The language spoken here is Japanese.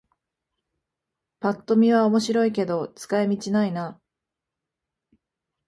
ぱっと見は面白いけど使い道ないな